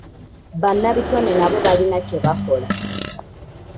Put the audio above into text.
Bannabitone nabo balina kye bakola.